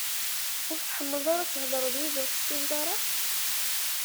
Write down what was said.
Ur tḥemmleḍ ara ad theḍṛeḍ d wid ur tessineḍ ara?